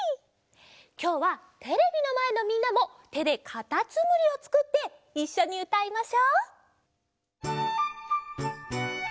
きょうはテレビのまえのみんなもてでかたつむりをつくっていっしょにうたいましょう。